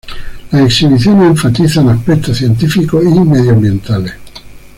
Las exhibiciones enfatizan aspectos científicos y medioambientales.